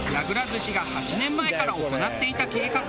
寿司が８年前から行っていた計画。